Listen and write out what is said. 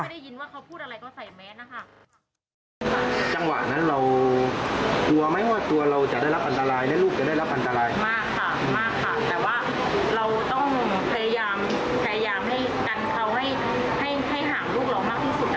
อยากหยิบอะไรให้หยิบไปเลยอยากเข้ามาในที่ที่บริเวณใกล้ตัวเด็กค่ะ